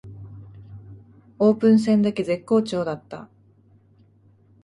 オープン戦だけ絶好調だった